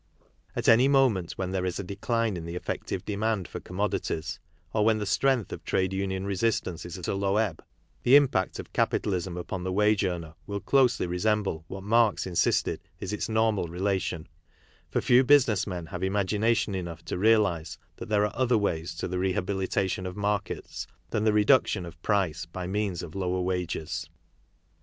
At any moment when there is a decline in the effective demand for com modities, or' when the strength of trade union resistance is at a low ebb, the impact of capitalism upon the M ao e earner will closely resemble what Marx insisted is Its normal relation ; for few business men have imao ination enough to realize that there are other ways to the re KARL MARX 31 habilitation of markets than the reduction of price by means of lower wages.